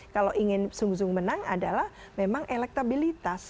kalau ingin sungguh sungguh menang adalah memang elektabilitas